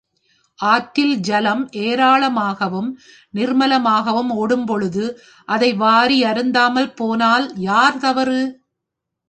ஆற்றில் ஜலம் ஏராளமாகவும் நிர்மலமாகவும் ஓடும்பொழுது அதை வாரி அருந்தாமற் போனால் யார் தவறு?